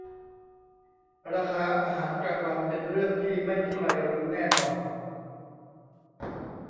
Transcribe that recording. ราคาอาหารกลางวันเป็นเรื่องที่ไม่มีใครรู้แน่นอน